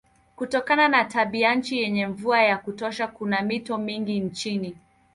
Kutokana na tabianchi yenye mvua ya kutosha kuna mito mingi nchini.